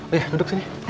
oh iya duduk sini